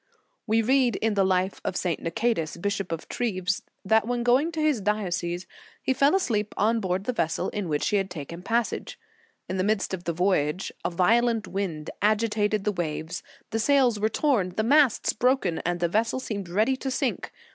We read in the life of St. Nicetus, bishop of Treves, that when going to his diocese, he fell asleep on board the vessel in which he had taken passage. In the midst of the voy age, a violent wind agitated the waves, the sails were torn, the masts broken, and the vessel seemed ready to sink.